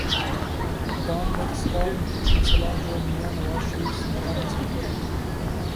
Dawn leaks کا مسئلہ جو میاں نواز شریف سلجھا نہ سکے۔